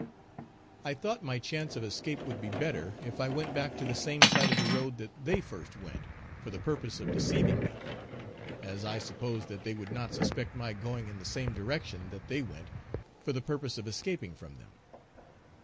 I thought my chance of escape would be better, if I went back to the same side of the road that they first went, for the purpose of deceiving them; as I supposed that they would not suspect my going in the same direction that they went, for the purpose of escaping from them.